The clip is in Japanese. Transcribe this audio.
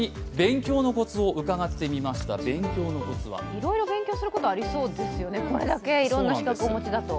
いろいろ勉強することありそうですよね、これだけいろんな資格をお持ちだと。